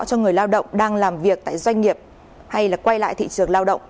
cho người lao động đang làm việc tại doanh nghiệp hay là quay lại thị trường lao động